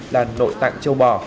là nội tạng châu bò